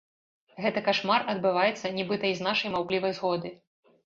Гэты кашмар адбываецца нібыта і з нашай маўклівай згоды.